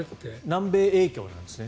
南米影響なんですね。